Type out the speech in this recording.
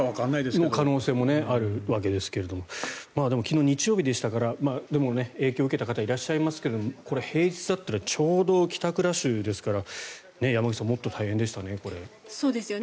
その可能性もあるわけですがでも昨日日曜日でしたから影響を受けた方いらっしゃいますけれどこれは平日だったらちょうど帰宅ラッシュですから山口さん、もっと大変でしたね。